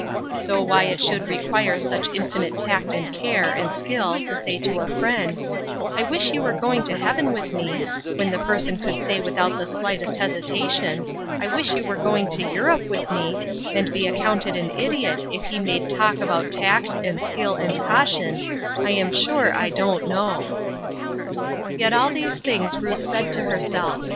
Though why it should require such infinite tact and care and skill to say to a friend, "I wish you were going to heaven with me," when the person would say without the slightest hesitation, "I wish you were going to Europe with me," and be accounted an idiot if he made talk about tact and skill and caution, I am sure I don't know. Yet all these things Ruth said to herself.